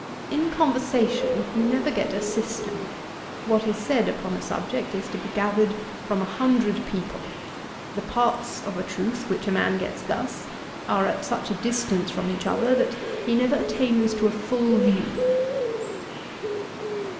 In conversation you never get a system. What is said upon a subject is to be gathered from a hundred people. The parts of a truth, which a man gets thus, are at such a distance from each other that he never attains to a full view.'